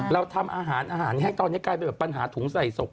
เราทำอาหารอาหารให้ตอนนี้กลายเป็นแบบปัญหาถุงใส่ศพ